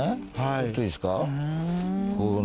ちょっといいですか？